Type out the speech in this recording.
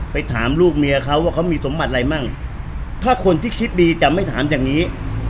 ไปถามลูกเมียเขาว่าเขามีสมบัติอะไรมั่งถ้าคนที่คิดดีจะไม่ถามอย่างนี้